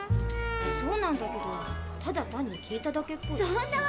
そうなんだけどただ単に聞いただけっぽい。